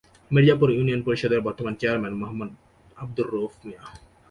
Mirzapur union পরিষদের বর্তমান chairman Md Abdur Rauf মিয়া।